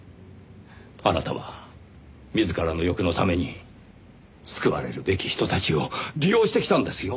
あなたは自らの欲のために救われるべき人たちを利用してきたんですよ。